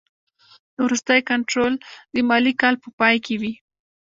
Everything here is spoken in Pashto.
وروستی کنټرول د مالي کال په پای کې وي.